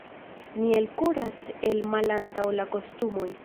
Ni elkuras el malantaŭ la kostumoj.